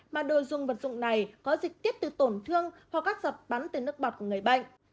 mà đồ dùng vật dụng này có dịch tiếp từ tổn thương hoặc các dập bắn từ nước bọt của người bệnh